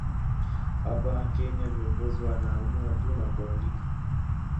Hapa Kenya viongozi wanaamua tu na kuandika